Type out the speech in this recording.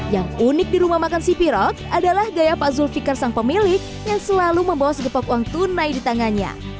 yang unik di rumah makan sipirot adalah gaya pak zulfikar sang pemilik yang selalu membawa segepok uang tunai di tangannya